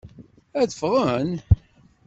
Ad ffɣen?